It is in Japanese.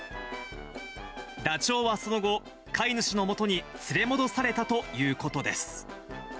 ダチョウはその後、飼い主のもとに連れ戻されたということです。